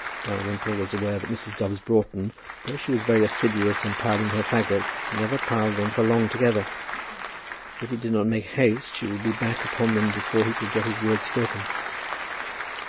Dalrymple was aware that Mrs. Dobbs Broughton, though she was very assiduous in piling her fagots, never piled them for long together. If he did not make haste she would be back upon them before he could get his word spoken.